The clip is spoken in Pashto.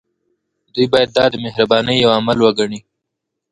دوی باید دا د مهربانۍ يو عمل وګڼي.